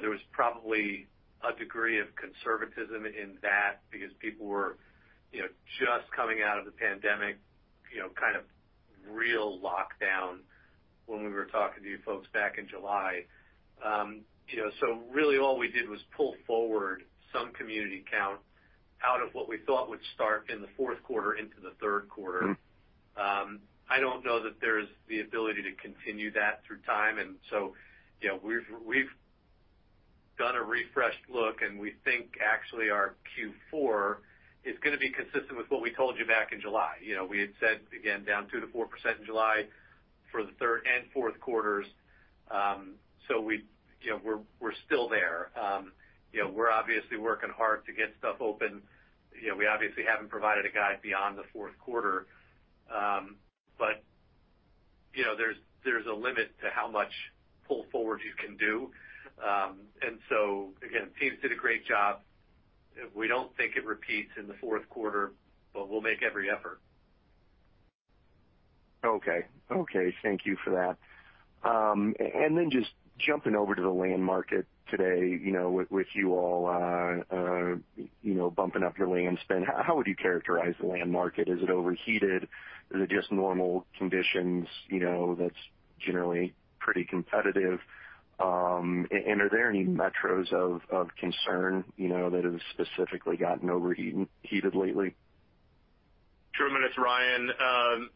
There was probably a degree of conservatism in that because people were just coming out of the pandemic, kind of real lockdown. When we were talking to you folks back in July. Really all we did was pull forward some community count out of what we thought would start in the fourth quarter into the third quarter. I don't know that there's the ability to continue that through time. We've done a refreshed look, and we think actually our Q4 is going to be consistent with what we told you back in July. We had said, again, down 2%-4% in July for the third and fourth quarters. We're still there. We obviously working hard to get stuff open. We obviously haven't provided a guide beyond the fourth quarter. There's a limit to how much pull-forward you can do. Again, the team did a great job. We don't think it repeats in the fourth quarter, but we'll make every effort. Okay. Thank you for that. Just jumping over to the land market today, with you all bumping up your land spend, how would you characterize the land market? Is it overheated? Is it just normal conditions that is generally pretty competitive? Are there any metros of concern that have specifically gotten overheated lately? Truman, it's Ryan.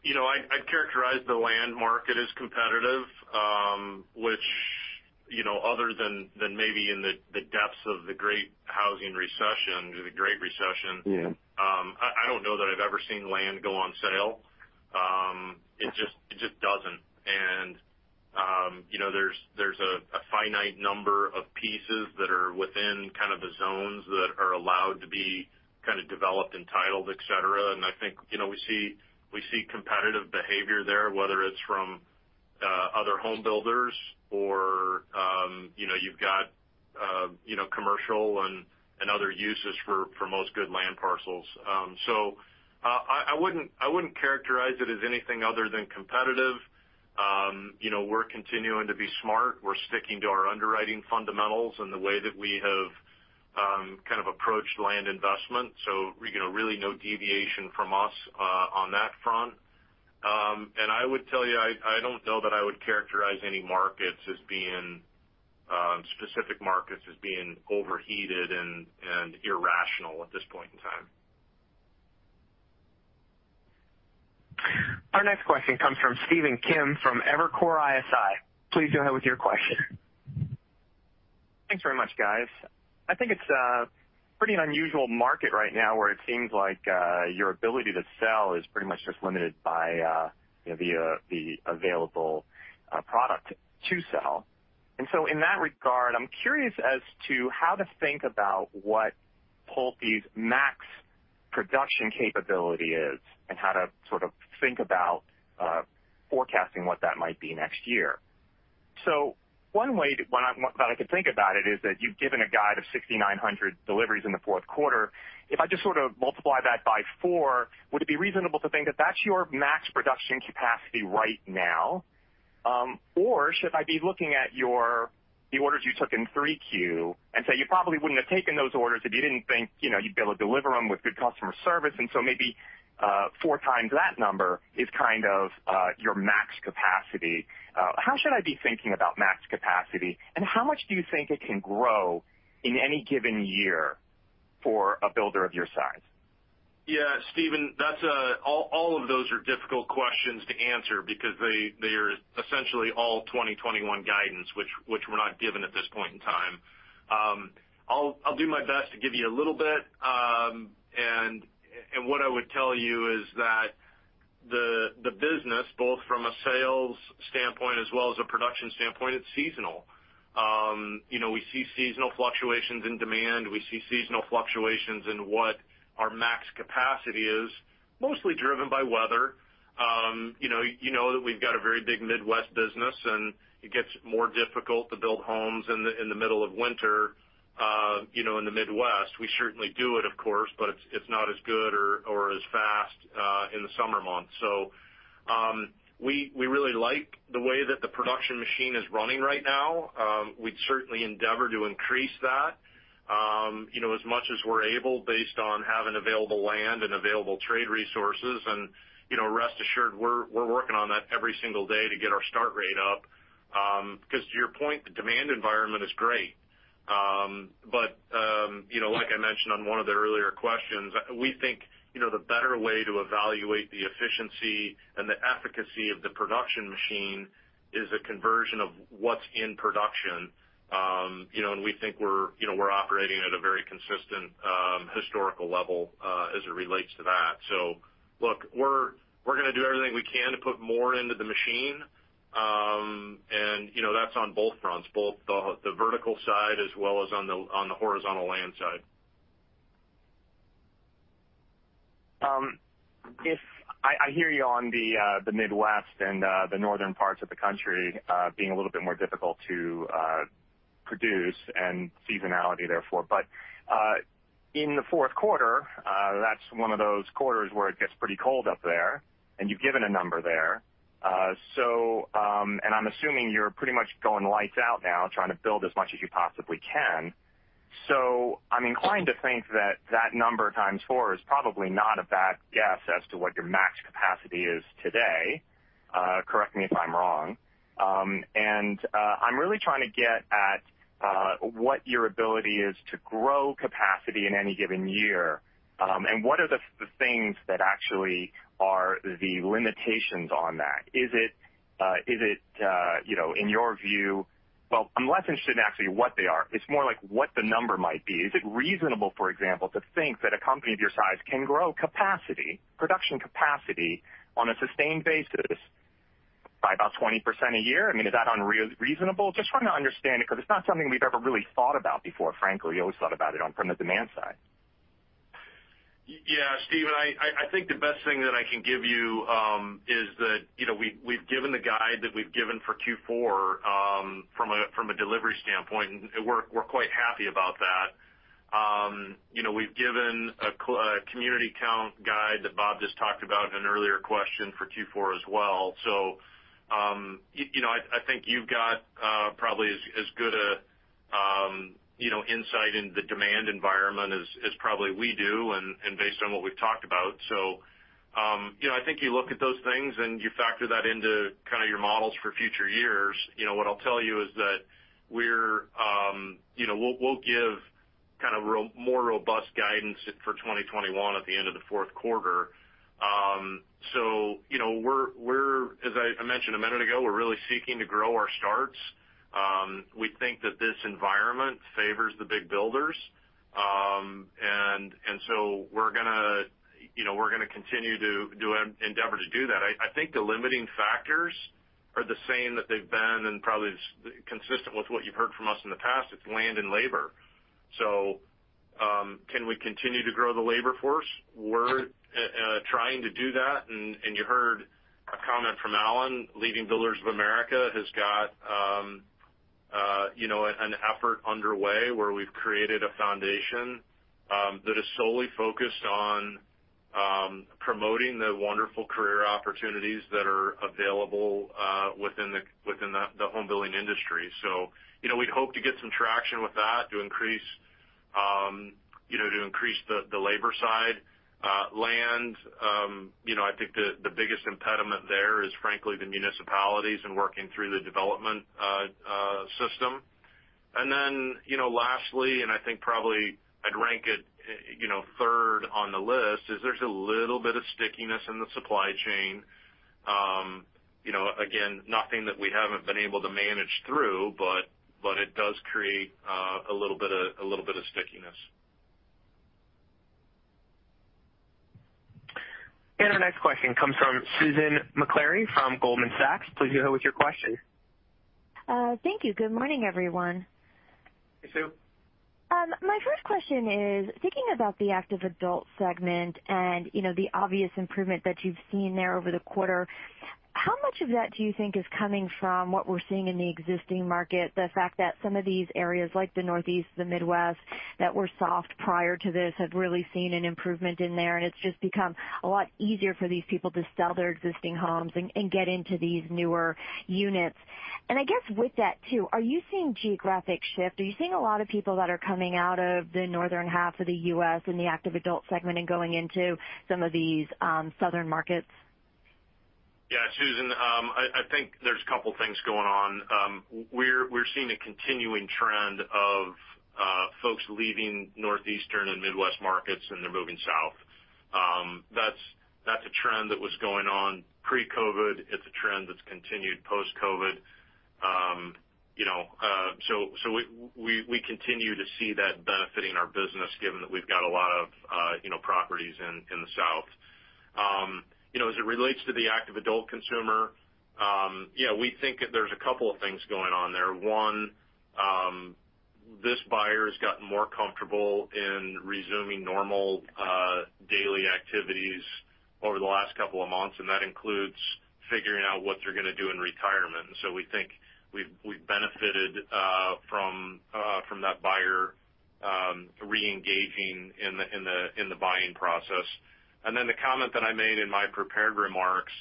I'd characterize the land market as competitive, which other than maybe in the depths of the great housing recession, the Great Recession. Yeah. I don't know that I've ever seen land go on sale. It just doesn't. There's a finite number of pieces that are within kind of the zones that are allowed to be kind of developed, entitled, et cetera. I think, we see competitive behavior there, whether it's from other home builders or you've got commercial and other uses for most good land parcels. I wouldn't characterize it as anything other than competitive. We're continuing to be smart. We're sticking to our underwriting fundamentals and the way that we have kind of approached land investment. Really no deviation from us on that front. I would tell you, I don't know that I would characterize any specific markets as being overheated and irrational at this point in time. Our next question comes from Stephen Kim from Evercore ISI. Please go ahead with your question. Thanks very much, guys. I think it's a pretty unusual market right now where it seems like your ability to sell is pretty much just limited by the available product to sell. In that regard, I'm curious as to how to think about what PulteGroup's max production capability is and how to sort of think about forecasting what that might be next year. One way that I could think about it is that you've given a guide of 6,900 deliveries in the fourth quarter. If I just sort of multiply that by four, would it be reasonable to think that that's your max production capacity right now? Should I be looking at the orders you took in 3Q and say you probably wouldn't have taken those orders if you didn't think you'd be able to deliver them with good customer service, and so maybe 4x that number is kind of your max capacity. How should I be thinking about max capacity, and how much do you think it can grow in any given year for a builder of your size? Yeah, Stephen, all of those are difficult questions to answer because they are essentially all 2021 guidance, which we're not given at this point in time. I'll do my best to give you a little bit. What I would tell you is that the business, both from a sales standpoint as well as a production standpoint, it's seasonal. We see seasonal fluctuations in demand. We see seasonal fluctuations in what our max capacity is, mostly driven by weather. You know that we've got a very big Midwest business, and it gets more difficult to build homes in the middle of winter in the Midwest. We certainly do it, of course, but it's not as good or as fast in the summer months. We really like the way that the production machine is running right now. We'd certainly endeavor to increase that as much as we're able based on having available land and available trade resources. Rest assured, we're working on that every single day to get our start rate up. To your point, the demand environment is great. Like I mentioned on one of the earlier questions, we think the better way to evaluate the efficiency and the efficacy of the production machine is a conversion of what's in production. We think we're operating at a very consistent historical level as it relates to that. Look, we're going to do everything we can to put more into the machine. That's on both fronts, both the vertical side as well as on the horizontal land side. I hear you on the Midwest and the northern parts of the country being a little bit more difficult to produce and seasonality, therefore. In the fourth quarter, that's one of those quarters where it gets pretty cold up there, and you've given a number there. I'm assuming you're pretty much going lights out now trying to build as much as you possibly can. I'm inclined to think that that number times four is probably not a bad guess as to what your max capacity is today. Correct me if I'm wrong. I'm really trying to get at what your ability is to grow capacity in any given year, and what are the things that actually are the limitations on that? I'm less interested in actually what they are. It's more like what the number might be. Is it reasonable, for example, to think that a company of your size can grow capacity, production capacity, on a sustained basis by about 20% a year? Is that unreasonable? Just trying to understand it, because it's not something we've ever really thought about before, frankly. We always thought about it from the demand side. Yeah, Stephen, I think the best thing that I can give you, is that we've given the guide that we've given for Q4, from a delivery standpoint. We're quite happy about that. We've given a community count guide that Bob just talked about in an earlier question for Q4 as well. I think you've got probably as good insight in the demand environment as probably we do, based on what we've talked about. I think you look at those things, you factor that into kind of your models for future years. What I'll tell you is that we'll give more robust guidance for 2021 at the end of the fourth quarter. As I mentioned a minute ago, we're really seeking to grow our starts. We think that this environment favors the big builders. We're going to endeavor to do that. I think the limiting factors are the same that they've been, and probably consistent with what you've heard from us in the past. It's land and labor. Can we continue to grow the labor force? We're trying to do that, and you heard a comment from Alan. Leading Builders of America has got an effort underway where we've created a foundation that is solely focused on promoting the wonderful career opportunities that are available within the home building industry. We'd hope to get some traction with that to increase the labor side. Land, I think the biggest impediment there is, frankly, the municipalities and working through the development system. Lastly, and I think probably I'd rank it third on the list, is there's a little bit of stickiness in the supply chain. Again, nothing that we haven't been able to manage through, but it does create a little bit of stickiness. Our next question comes from Susan Maklari from Goldman Sachs. Please go ahead with your question. Thank you. Good morning, everyone. Hey, Sue. My first question is, thinking about the active adult segment and the obvious improvement that you've seen there over the quarter, how much of that do you think is coming from what we're seeing in the existing market, the fact that some of these areas, like the Northeast, the Midwest, that were soft prior to this have really seen an improvement in there, and it's just become a lot easier for these people to sell their existing homes and get into these newer units? I guess with that, too, are you seeing geographic shift? Are you seeing a lot of people that are coming out of the northern half of the U.S. in the active adult segment and going into some of these southern markets? Yeah, Susan, I think there's a couple things going on. We're seeing a continuing trend of folks leaving Northeastern and Midwest markets, and they're moving South. That's a trend that was going on pre-COVID. It's a trend that's continued post-COVID. We continue to see that benefiting our business, given that we've got a lot of properties in the South. As it relates to the active adult consumer, we think that there's a couple of things going on there. One, this buyer has gotten more comfortable in resuming normal daily activities over the last couple of months, and that includes figuring out what they're going to do in retirement. We think we've benefited from that buyer reengaging in the buying process. Then the comment that I made in my prepared remarks,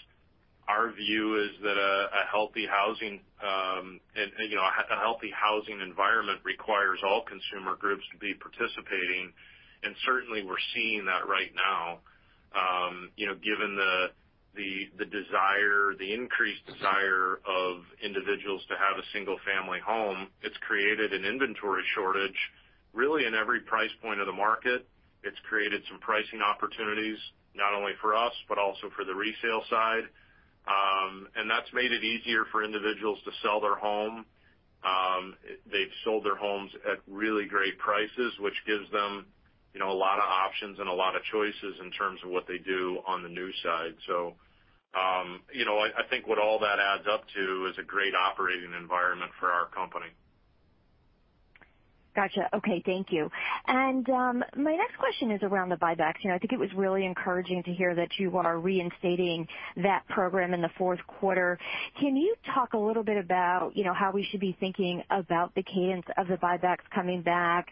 our view is that a healthy housing environment requires all consumer groups to be participating, and certainly we're seeing that right now. Given the increased desire of individuals to have a single-family home, it's created an inventory shortage, really in every price point of the market. It's created some pricing opportunities, not only for us, but also for the resale side. That's made it easier for individuals to sell their home. They've sold their homes at really great prices, which gives them a lot of options and a lot of choices in terms of what they do on the new side. I think what all that adds up to is a great operating environment for our company. Got you. Okay. Thank you. My next question is around the buybacks. I think it was really encouraging to hear that you are reinstating that program in the fourth quarter. Can you talk a little bit about how we should be thinking about the cadence of the buybacks coming back?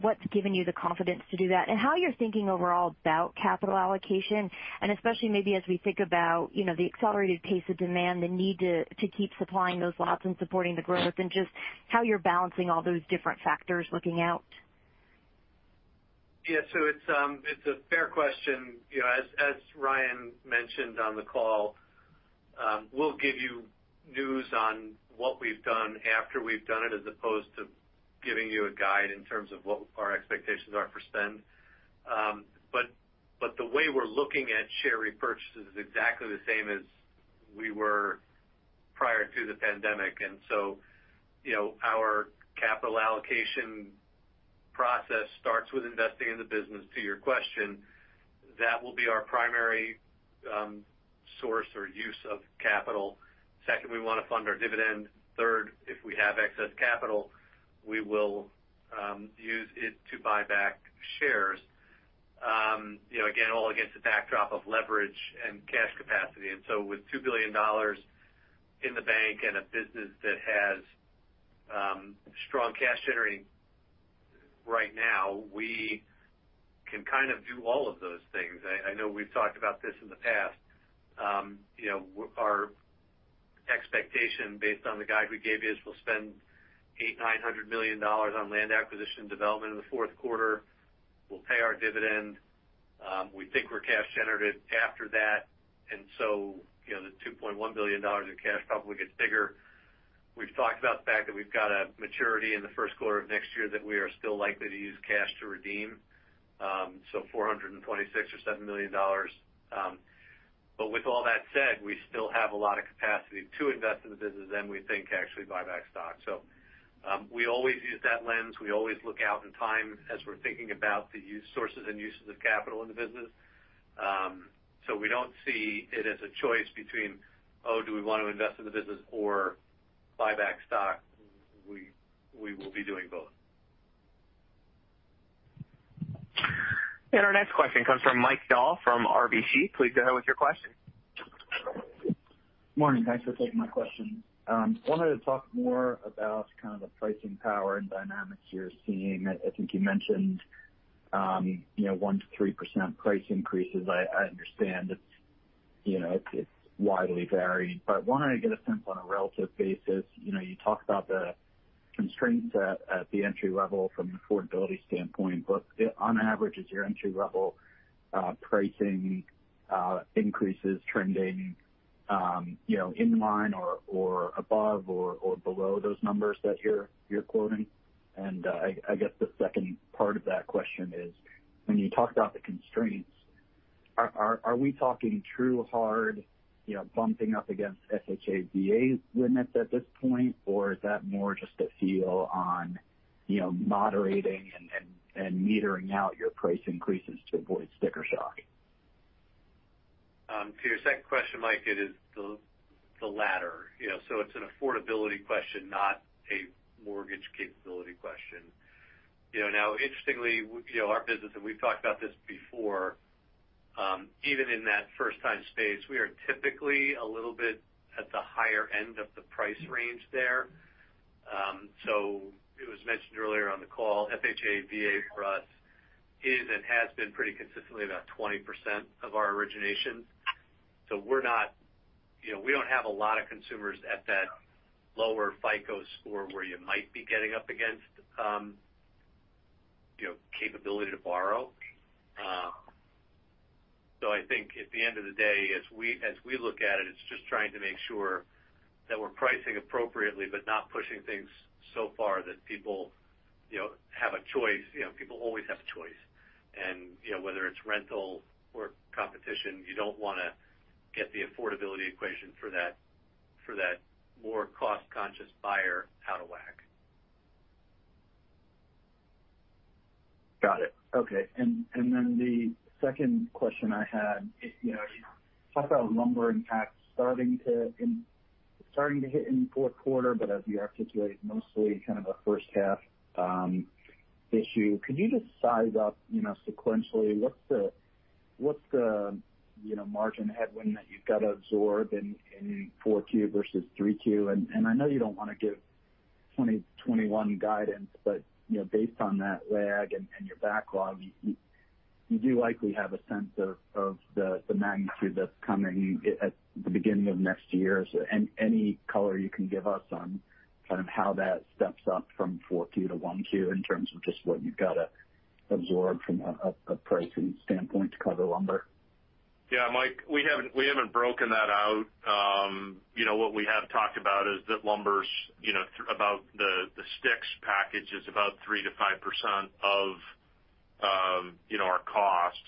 What's given you the confidence to do that, and how you're thinking overall about capital allocation, and especially maybe as we think about the accelerated pace of demand, the need to keep supplying those lots and supporting the growth, and just how you're balancing all those different factors looking out? Yeah. It's a fair question. As Ryan mentioned on the call, we'll give you news on what we've done after we've done it, as opposed to giving you a guide in terms of what our expectations are for spend. The way we're looking at share repurchases is exactly the same as we were prior to the pandemic. Our capital allocation process starts with investing in the business, to your question. That will be our primary source or use of capital. Second, we want to fund our dividend. Third, if we have excess capital, we will use it to buy back shares. Again, all against the backdrop of leverage and cash capacity. With $2 billion in the bank and a business that has strong cash generating right now, we can kind of do all of those things. I know we've talked about this in the past. Our expectation based on the guide we gave you is we'll spend $800 million-$900 million on land acquisition development in the fourth quarter. We'll pay our dividend. We think we're cash generative after that. The $2.1 billion in cash probably gets bigger. We've talked about the fact that we've got a maturity in the first quarter of next year that we are still likely to use cash to redeem, so $426 or $7 million. With all that said, we still have a lot of capacity to invest in the business, then we think actually buy back stock. We always use that lens. We always look out in time as we're thinking about the sources and uses of capital in the business. We don't see it as a choice between, oh, do we want to invest in the business or buy back stock. We will be doing both. Our next question comes from Mike Dahl from RBC. Please go ahead with your question. Morning. Thanks for taking my question. Wanted to talk more about kind of the pricing power and dynamics you're seeing. I think you mentioned 1%-3% price increases. I understand it's widely varied, but wanted to get a sense on a relative basis. You talked about the constraints at the entry level from an affordability standpoint, but on average, is your entry-level pricing increases trending in line or above or below those numbers that you're quoting? I guess the second part of that question is, when you talked about the constraints, are we talking true hard bumping up against FHA, VA limits at this point, or is that more just a feel on moderating and metering out your price increases to avoid sticker shock? To your second question, Mike, it is the latter. It's an affordability question, not a mortgage capability question. Interestingly, our business, and we've talked about this before, even in that first time space, we are typically a little bit at the higher end of the price range there. It was mentioned earlier on the call, FHA, VA for us is and has been pretty consistently about 20% of our origination. We don't have a lot of consumers at that lower FICO score where you might be getting up against capability to borrow. I think at the end of the day, as we look at it's just trying to make sure that we're pricing appropriately, but not pushing things so far that people have a choice. People always have a choice. Whether it's rental or competition, you don't want to get the affordability equation for that more cost-conscious buyer out of whack. Got it. Okay. The second question I had, you talk about lumber impacts starting to hit in the fourth quarter, but as you articulated, mostly kind of a first half issue. Could you just size up sequentially what's the margin headwind that you've got to absorb in 4Q versus 3Q? I know you don't want to give 2021 guidance, but based on that lag and your backlog, you do likely have a sense of the magnitude that's coming at the beginning of next year. Any color you can give us on kind of how that steps up from 4Q to 1Q in terms of just what you've got to absorb from a pricing standpoint to cover lumber? Yeah, Mike, we haven't broken that out. What we have talked about is that lumber, about the sticks package is about 3%-5% of our cost.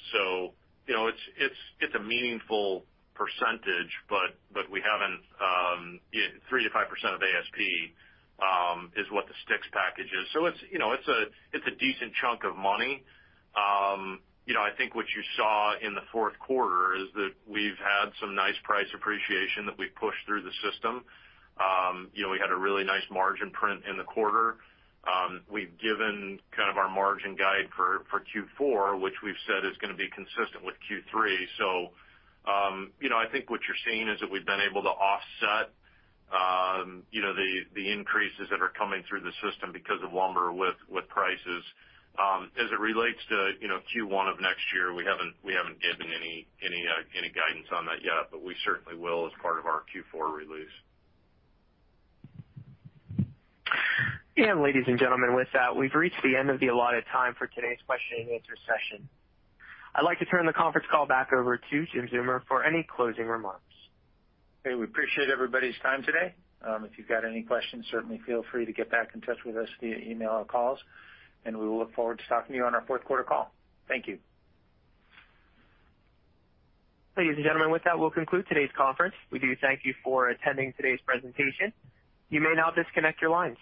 It's a meaningful percentage. 3%-5% of ASP is what the sticks package is. It's a decent chunk of money. I think what you saw in the fourth quarter is that we've had some nice price appreciation that we pushed through the system. We had a really nice margin print in the quarter. We've given kind of our margin guide for Q4, which we've said is going to be consistent with Q3. I think what you're seeing is that we've been able to offset the increases that are coming through the system because of lumber with prices. As it relates to Q1 of next year, we haven't given any guidance on that yet, but we certainly will as part of our Q4 release. Ladies and gentlemen, with that, we've reached the end of the allotted time for today's question-and-answer session. I'd like to turn the conference call back over to Jim Zeumer for any closing remarks. Hey, we appreciate everybody's time today. If you've got any questions, certainly feel free to get back in touch with us via email or calls, and we will look forward to talking to you on our fourth quarter call. Thank you. Ladies and gentlemen, with that, we'll conclude today's conference. We do thank you for attending today's presentation. You may now disconnect your lines.